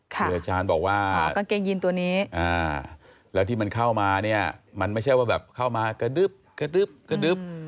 คุณอาจารย์บอกว่าแล้วที่มันเข้ามามันไม่ใช่ว่าเข้ามากระดึบ